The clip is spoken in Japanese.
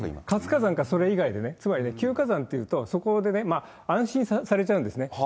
活火山か、それ以外でね、つまり休火山って言うと、そこで安心されちゃうんですね。